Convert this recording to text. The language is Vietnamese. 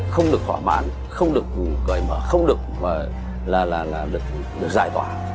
không được khỏa bán không được cởi mở không được giải tỏa